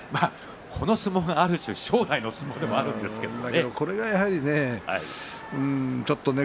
この相撲が正代の相撲でもあるんですけれどもね。